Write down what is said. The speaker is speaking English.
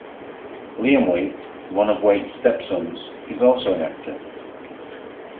Liam Waite, one of Waite's stepsons, is also an actor.